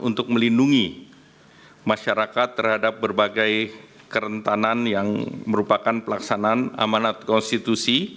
untuk melindungi masyarakat terhadap berbagai kerentanan yang merupakan pelaksanaan amanat konstitusi